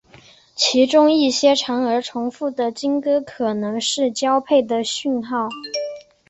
其中一些长而重复的鲸歌可能是交配的讯号。